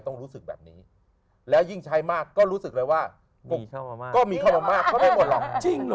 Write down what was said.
ต้องรู้สึกแบบนี้แล้วยิ่งใช้มากก็รู้สึกเลยว่าก็มีเข้ามามากก็ไม่หมดหรอกจริงเหรอ